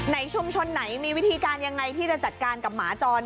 ชุมชนไหนมีวิธีการยังไงที่จะจัดการกับหมาจร